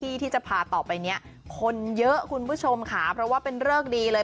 ที่ที่จะพาต่อไปเนี่ยคนเยอะคุณผู้ชมค่ะเพราะว่าเป็นเริกดีเลย